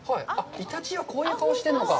イタチはこういう顔してるのか。